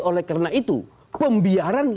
oleh karena itu pembiaran